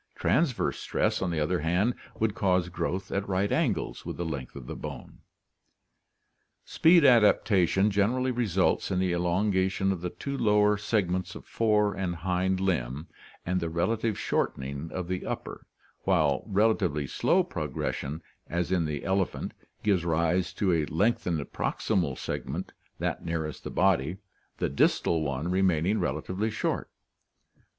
Transverse stress, on the other hand, would cause growth at right angles with the length of the bone. Speed adaptation generally results in the elongation of the two lower segments of fore and hind limb and the relative shortening of the upper, while relatively slow progression as in the elephant gives rise to a lengthened proximal segment, that nearest the body, the distal one remaining relatively short (see page 301).